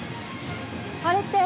あれって。